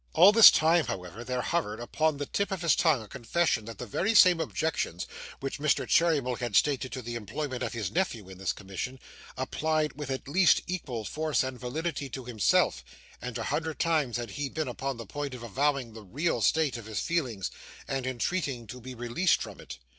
All this time, however, there hovered upon the tip of his tongue a confession that the very same objections which Mr. Cheeryble had stated to the employment of his nephew in this commission applied with at least equal force and validity to himself, and a hundred times had he been upon the point of avowing the real state of his feelings, and entreating to be released from it.